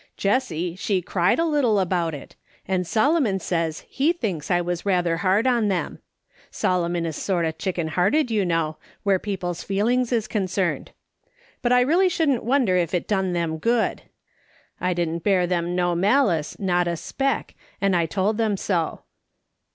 Jessie, she cried a little about it, and Solomon says he thinks I was ruther hard on them. Solomon is sort o' chicken hearted, you know, where people's feelings is concerned. But I really shouldn't wonder if it done them good. I didn't bear them no malice, not a speck, and I told them so.